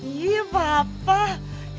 iya ya bapak